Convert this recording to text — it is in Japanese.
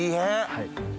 はい。